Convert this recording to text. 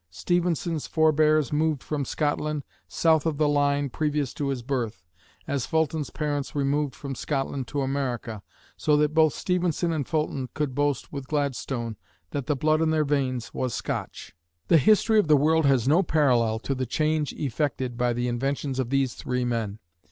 Stephenson's forbears moved from Scotland south of the line previous to his birth, as Fulton's parents removed from Scotland to America, so that both Stephenson and Fulton could boast with Gladstone that the blood in their veins was Scotch. The history of the world has no parallel to the change effected by the inventions of these three men.